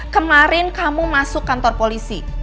kemarin kamu masuk kantor polisi